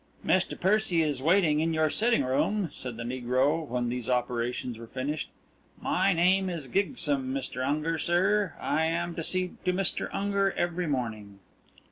"Mr. Percy is waiting in your sitting room," said the negro, when these operations were finished. "My name is Gygsum, Mr. Unger, sir. I am to see to Mr. Unger every morning."